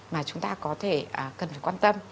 mà chúng ta có thể cần phải quan tâm